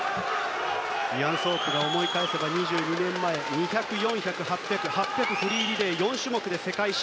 イアン・ソープが思い返せば２２年前には８００フリーリレーなど４種目で世界新。